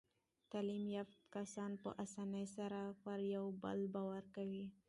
تعلیم یافته کسان په اسانۍ سره پر یو بل باور کوي.